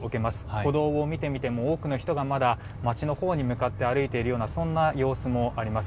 歩道を見てみても多くの人がまだ街のほうに向かって歩いているような様子です。